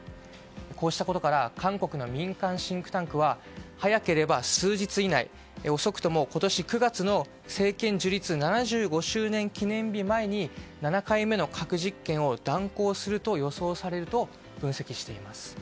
こうしたことから韓国の民間シンクタンクは早ければ数日以内遅くとも今年９月の政権樹立７５周年記念日前に７回目の核実験を断行すると予想されると分析しています。